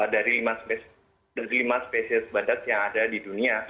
dari lima spesies badak yang ada di dunia